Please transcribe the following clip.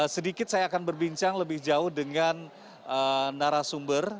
sedikit saya akan berbincang lebih jauh dengan narasumber